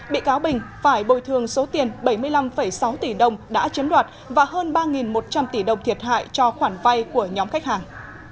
bị cáo bình phải bồi thường số tiền bảy mươi năm sáu tỷ đồng đã chiếm đoạt và hơn ba một trăm linh tỷ đồng thiệt hại cho khoản vay của nhóm khách hàng